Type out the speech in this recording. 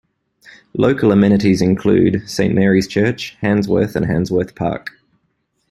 Local amenities include: Saint Mary's Church, Handsworth and Handsworth Park.